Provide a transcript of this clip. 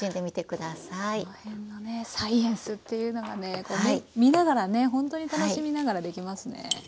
この辺のねサイエンスというのがね見ながらねほんとに楽しみながらできますね。